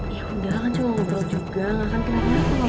iya udah kan cuma ngobrol juga gak akan kenapa napa gak usah khawatir